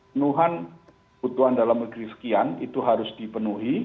penuhan kebutuhan dalam negeri sekian itu harus dipenuhi